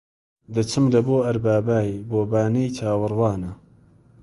دەچم لە بۆ ئەڕبابای بۆ بانەی چاوەڕوانە